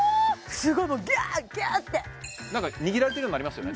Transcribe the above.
すごいもうギューギューって何か握られてるようになりますよね